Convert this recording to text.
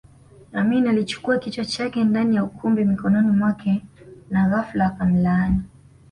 Amin alichukua kichwa chake ndani ya ukumbi mikononi mwake na ghafla akamlaani